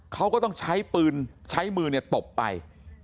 เขาก็ต้องใช้มือตบไป